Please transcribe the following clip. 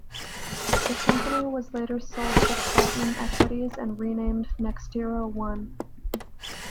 The company was later sold to Platinum Equities and renamed NextiraOne.